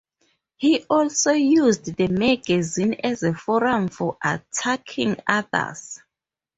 He also used the magazine as a forum for attacking others.